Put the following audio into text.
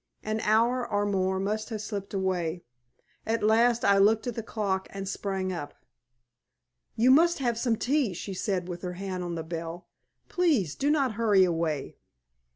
An hour or more must have slipped away. At last I looked at the clock and sprang up. "You must have some tea," she said, with her hand on the bell. "Please do not hurry away."